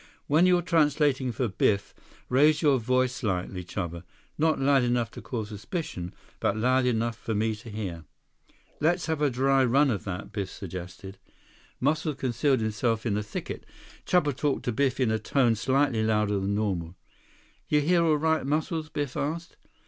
"When you're translating for Biff, raise your voice slightly, Chuba. Not loud enough to cause suspicion, but loud enough for me to hear." "Let's have a dry run of that," Biff suggested. 140 Muscles concealed himself in the thicket. Chuba talked to Biff in a tone slightly louder than normal. "You hear all right, Muscles?" Biff asked.